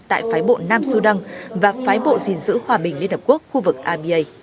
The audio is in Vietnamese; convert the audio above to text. tại phái bộ nam sudan và phái bộ dình giữ hòa bình liên hợp quốc khu vực aba